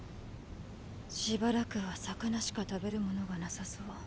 しばらくは魚しか食べる物がなさそう。